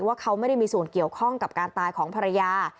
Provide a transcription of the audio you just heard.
ว่าเขาไม่ได้มีส่วนเกี่ยวข้องกับการตายของภรรยา